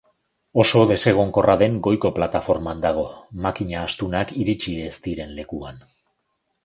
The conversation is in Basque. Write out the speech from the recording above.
Oso desengonkorra den goiko plataforman dago, makina astunak iritsi ez diren lekuan.